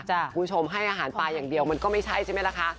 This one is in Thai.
คุณผู้ชมให้อาหารปลาอย่างเดียวมันก็ไม่ใช่ใช่ไหมล่ะคะ